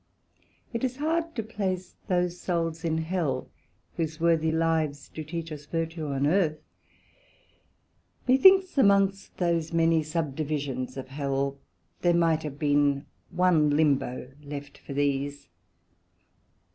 It is hard to place those Souls in Hell, whose worthy lives do teach us Virtue on Earth: methinks amongst those many subdivisions of Hell, there might have been one Limbo left for these.